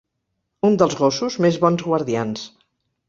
Un dels gossos més bons guardians.